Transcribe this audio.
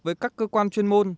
với các cơ quan chuyên môn